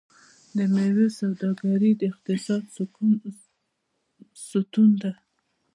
د میوو سوداګري د اقتصاد ستون ده.